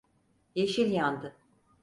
Yeşil yandı.